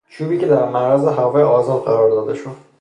چوبی که در معرض هوای آزاد قرار داده شد